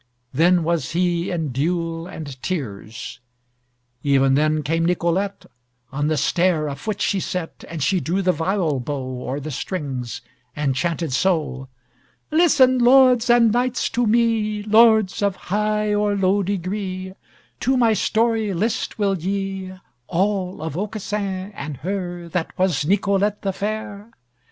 Then was he in dule and tears! Even then came Nicolette; On the stair a foot she set, And she drew the viol bow O'er the strings and chanted so: "Listen, lords and knights, to me, Lords of high or low degree, To my story list will ye All of Aucassin and her That was Nicolette the fair?